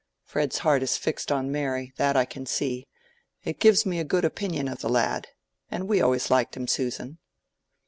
Fred's heart is fixed on Mary, that I can see: it gives me a good opinion of the lad—and we always liked him, Susan."